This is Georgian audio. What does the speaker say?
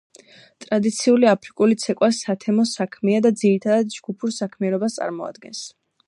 ტრადიციული აფრიკული ცეკვა სათემო საქმეა და ძირითადად ჯგუფურ საქმიანობას წარმოადგენს.